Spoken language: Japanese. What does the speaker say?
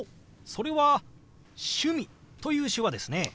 それは「趣味」という手話ですね。